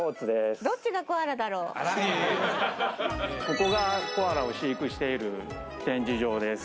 ここがコアラを飼育している展示場です